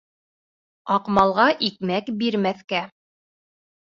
Аҡмалға икмәк бирмәҫкә!